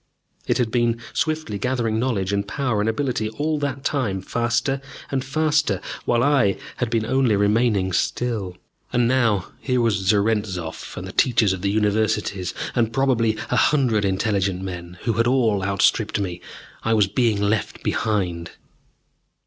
It had been swiftly gathering knowledge and power and ability all that time, faster and faster, while I had been only remaining still. And now here was Zarentzov and the teachers of the Universities, and, probably, a hundred intelligent men, who had all outstripped me! I was being left behind.